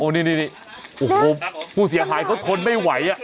โอ้นี่นี่นี่พูดเสียหายเขาทนไม่ไหว